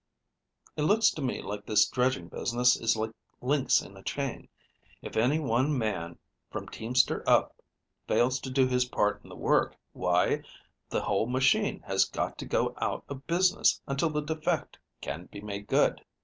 It looks to me like this dredging business is like links in a chain. If any one man, from teamster up, fails to do his part in the work, why, the whole machine has got to go out of business until the defect can be made good."